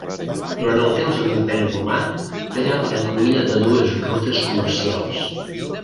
Durant el temps de l'Imperi Romà, era a la cruïlla de dues rutes comercials.